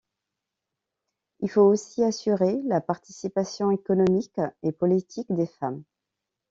Il faut aussi assurer la participation économique et politique des femmes.